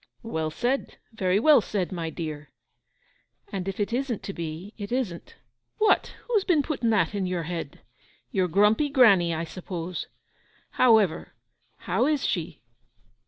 'Well said—very well said, my dear.' 'And if it isn't to be it isn't.' 'What? Who's been putting that into your head? Your grumpy granny, I suppose. However, how is she?